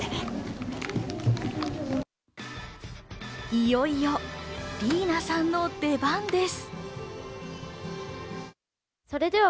いよいよ、莉衣奈さんの出番です。